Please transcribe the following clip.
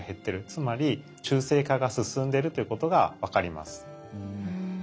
つまり中性化が進んでるということが分かります。